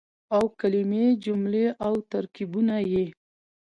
او کلمې ،جملې او ترکيبونه يې